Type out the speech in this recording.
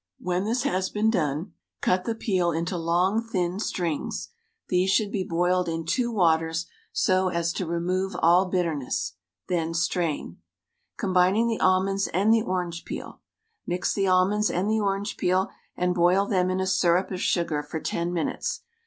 When this has been done cut the peel into long thin strings. These should be boiled in two waters so as to remove all bitterness. Then strain. Combining the almonds and the orange peel : Mix the almonds and the orange peel and boil them in a syrup of sugar for ten minutes..